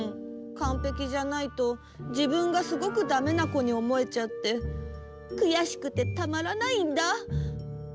かんぺきじゃないとじぶんがすごくダメなこにおもえちゃってくやしくてたまらないんだ。